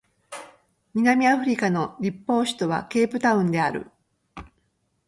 南アフリカの立法首都はケープタウンである